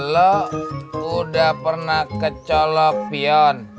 lu udah pernah kecolok pion